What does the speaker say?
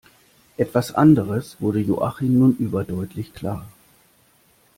Etwas anderes wurde Joachim nun überdeutlich klar.